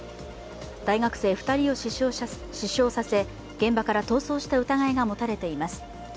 大学生２人を死傷させ現場から逃走した疑いが持たれています。